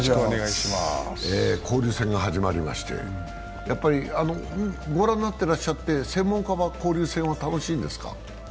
交流戦が始まりまして、御覧になってらっしゃって、専門家は交流戦は楽しいですか？